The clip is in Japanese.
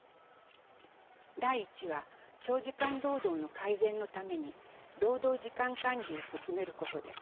第１は長時間労働の改善のために労働時間管理を進めることです。